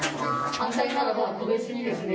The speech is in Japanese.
反対などは、個別にですね。